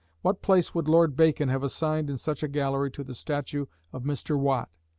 What place would Lord Bacon have assigned in such a gallery to the statue of Mr. Watt?